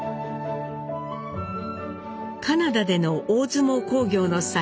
カナダでの大相撲興行の際